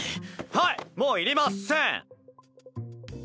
はいもういりません！